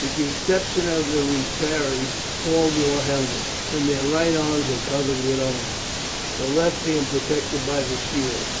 With the exception of the retiarii all wore helmets, and their right arms were covered with armour, the left being protected by the shield.